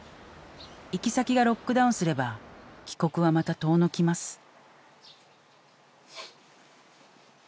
行き先がロックダウンすれば帰国はまた遠のきます。